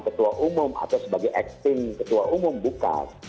ketua umum atau sebagai acting ketua umum bukan